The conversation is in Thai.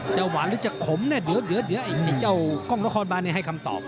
หวานหรือจะขมเนี่ยเดี๋ยวเจ้ากล้องละครบานให้คำตอบ